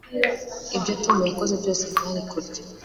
ibyo tom yakoze byose byari kurya